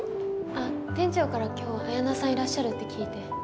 あっ店長から今日あやなさんいらっしゃるって聞いて。